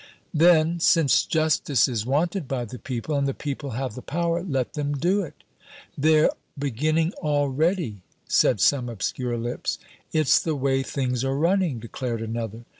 "Then, since justice is wanted by the people, and the people have the power, let them do it." "They're beginning already!" said some obscure lips. "It's the way things are running," declared another.